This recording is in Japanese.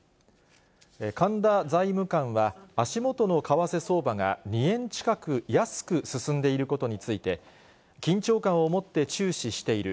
かんだ財務官は、足元の為替相場が２円近く安く進んでいることについて、緊張感を持って注視している。